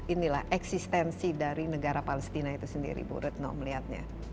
inilah eksistensi dari negara palestina itu sendiri bu retno melihatnya